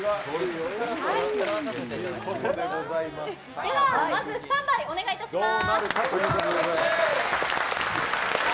ではまずスタンバイお願いします。